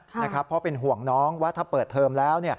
เพราะเป็นห่วงน้องว่าถ้าเปิดเทอมแล้ว